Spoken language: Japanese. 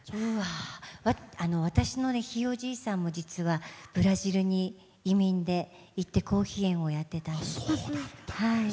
私のひいおじいさんも実はブラジルに移民で行ってコーヒー園をやってたんです。